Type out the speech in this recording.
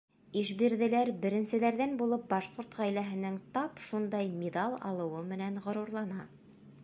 Ишбирҙеләр беренселәрҙән булып башҡорт ғаиләһенең тап шундай миҙал алыуы менән ғорурлана.